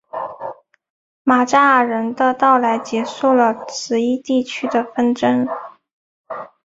马扎尔人的到来结束了此一地区的纷争。